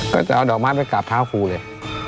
ก็จะเอาดอกไม้ไปกราบเท้าครูเลย